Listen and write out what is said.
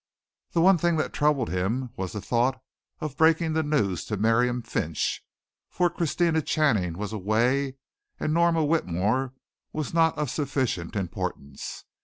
The one thing that troubled him was the thought of breaking the news to Miriam Finch, for Christina Channing was away, and Norma Whitmore was not of sufficient importance.